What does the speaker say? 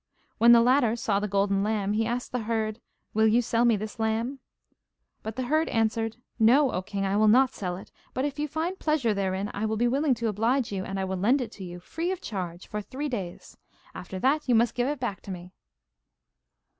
When the latter saw the golden lamb, he asked the herd: 'Will you sell me this lamb?' But the herd answered: 'No, oh king; I will not sell it; but if you find pleasure therein, I will be willing to oblige you, and I will lend it to you, free of charge, for three days, after that you must give it back to me.